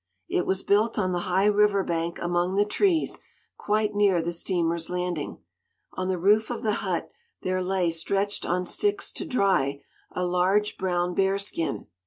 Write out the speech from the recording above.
It was built on the high river bank among the trees, quite near the steamer's landing. On the roof of the hut, there lay, stretched on sticks to dry, a large brown bear skin.